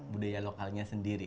budaya lokalnya sendiri